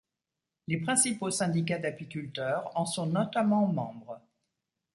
Les principaux syndicats d'apiculteurs en sont notamment membres.